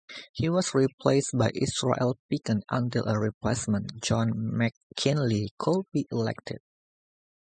He was replaced by Israel Pickens until a replacement, John McKinley, could be elected.